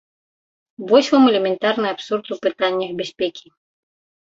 Вось вам элементарны абсурд у пытаннях бяспекі.